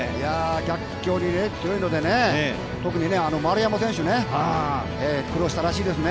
逆境に強いので、特に丸山選手、苦労したらしいですね。